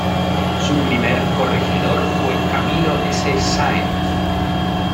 Su primer corregidor fue Camilo S. Sáenz.